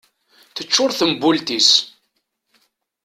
Tecčur tembult-is